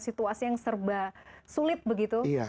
situasi yang serba sulit begitu